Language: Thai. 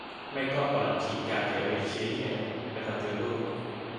ไม่ก็ปลัดขิก จากแถวเอเชียนี่แหละ ไปทำดิลโด้